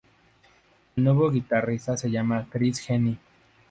El nuevo guitarrista se llama Chris Henny.